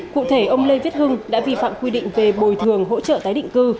cụ thể ông lê viết hưng đã vi phạm quy định về bồi thường hỗ trợ tái định cư